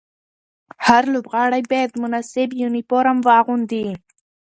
هر لوبغاړی باید مناسب یونیفورم واغوندي.